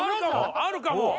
あるかも！